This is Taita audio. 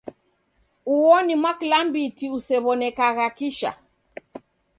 Uo ni mwaklambiti usew'onekagha kisha.